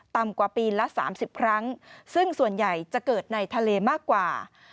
กว่าปีละ๓๐ครั้งซึ่งส่วนใหญ่จะเกิดในทะเลมากกว่า